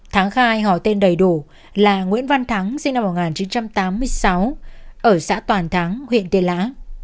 thắng khai hỏi tên đầy đủ là nguyễn văn thắng sinh năm một nghìn chín trăm tám mươi sáu ở xã toàn thắng huyện tiên lã